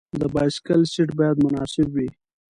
د بایسکل سیټ باید مناسب وي.